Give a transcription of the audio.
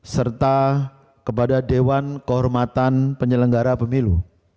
serta kepada dewan kehormatan penyelenggara pemilu